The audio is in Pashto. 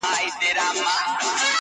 په شونډو کي چي ولگېدی زوز په سجده کي